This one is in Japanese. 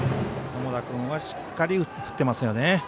友田君はしっかり振ってますよね。